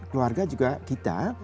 keluarga juga kita